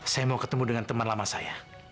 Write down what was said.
saya mau ketemu dengan teman lama saya